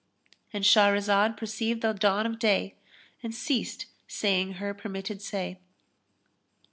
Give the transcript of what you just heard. —And Shahrazad perceived the dawn of day and ceased saying her permitted say.